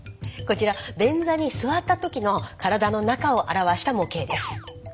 こちら便座に座ったときの体の中を表した模型です。